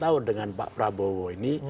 apakah perbedaan dengan pak prabowo ini